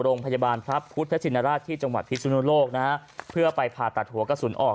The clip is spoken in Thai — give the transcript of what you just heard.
โรงพยาบาลพระพุทธชินราชที่จังหวัดพิสุนุโลกนะฮะเพื่อไปผ่าตัดหัวกระสุนออก